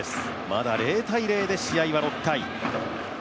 まだ０−０で、試合は６回。